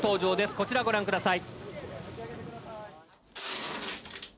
こちらご覧ください。